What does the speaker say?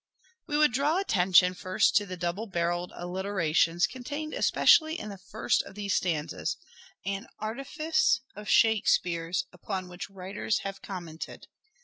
We would draw attention first to the " double barrelled alliterations " contained especially in the first of these stanzas — an artifice of Shakespeare's upon which writers have commented.